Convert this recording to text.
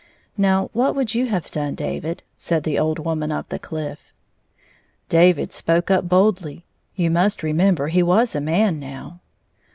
" Now, what would you have done, David 1 " said the old woman of the cliff. David spoke up boldly (you must remember he was a man now).